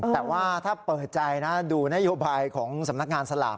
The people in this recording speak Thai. แต่ว่าถ้าเปิดใจนะดูนโยบายของสำนักงานสลาก